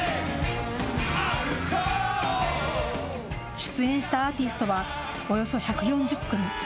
出演したアーティストは、およそ１４０組。